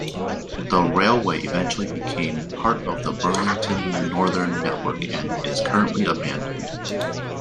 The railway eventually became part of the Burlington Northern network and is currently abandoned.